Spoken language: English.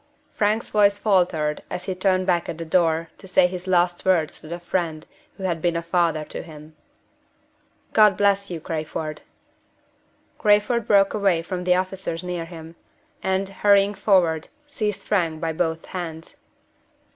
Frank's voice faltered as he turned back at the door to say his last words to the friend who had been a father to him. "God bless you, Crayford!" Crayford broke away from the officers near him; and, hurrying forward, seized Frank by both hands.